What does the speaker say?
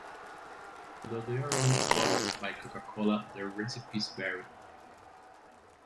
Although they are all bottled by Coca-Cola, their recipes vary.